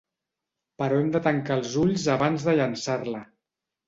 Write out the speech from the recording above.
Però hem de tancar els ulls abans de llençar-la.